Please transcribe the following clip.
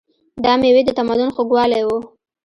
دا مېوې د تمدن خوږوالی و.